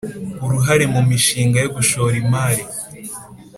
uruhare mu mishinga yo gushora imari